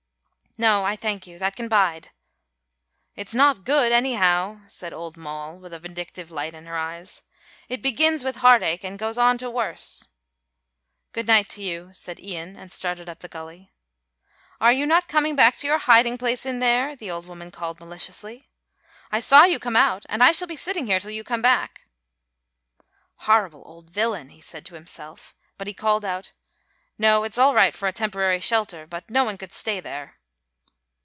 "No, I thank you; that can bide." "It's not good anyhow," said old Moll with a vindictive light in her eyes, "it begins with heartache and goes on to worse." "Good night to you," said Ian and started up the gully. "Are you not coming back to your hiding place in there?" the old woman called maliciously. "I saw you come out and I shall be sitting here till you come back." "Horrible old villain," he said to himself, but he called out, "No, it's all right for a temporary shelter, but no one could stay there."